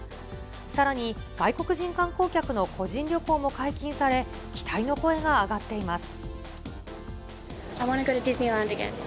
さらに、外国人観光客の個人旅行も解禁され、期待の声が上がっています。